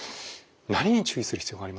何に注意する必要がありますか？